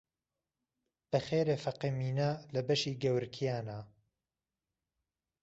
بە خێرێ فەقێ مینە لە بەشی گەورکیانە